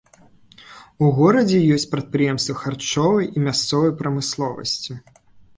У горадзе ёсць прадпрыемствы харчовай і мясцовай прамысловасці.